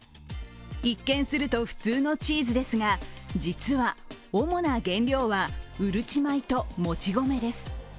一見すると普通のチーズですが、実は、主な原料はうるち米ともち米です。